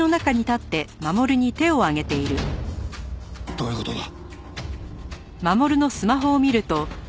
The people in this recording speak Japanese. どういう事だ？